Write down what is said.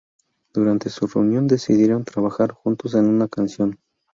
Durante su reunión, decidieron trabajar juntos en una canción.